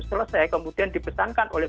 selesai kemudian di pesankan oleh